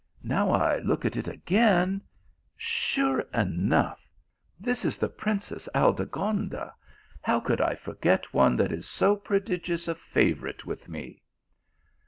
now I look at it again sure enough, this is the princess Aldegonda : how ;ould I forget one that is so prodigious a favourite with me?